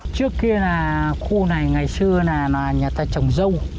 trước kia là khu này ngày xưa là nhà ta trồng dâu